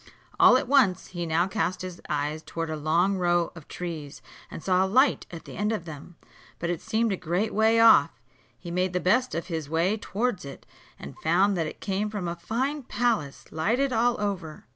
All at once, he now cast his eyes towards a long row of trees, and saw a light at the end of them, but it seemed a great way off. He made the best of his way towards it, and found that it came from a fine palace, lighted all over.